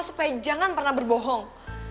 supaya jangan pernah berbohong